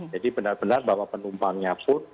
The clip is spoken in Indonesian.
jadi benar benar bahwa penumpangnya pun